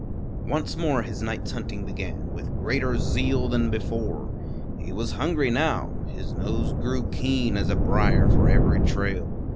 Once more his night's hunting began, with greater zeal than before. He was hungry now; his nose grew keen as a brier for every trail.